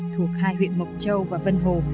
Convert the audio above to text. thuộc hai huyện mộc châu và vân hồ